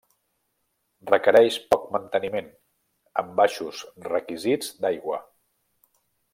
Requereix poc manteniment, amb baixos requisits d'aigua.